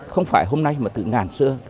không phải hôm nay mà từ ngàn xưa